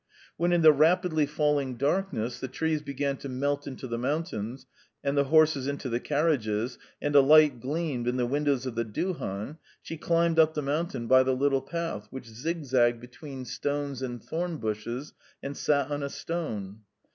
When in the rapidly falling darkness the trees began to melt into the mountains and the horses into the carriages, and a light gleamed in the windows of the duhan, she climbed up the mountain by the little path which zigzagged between stones and thorn bushes and sat on a stone.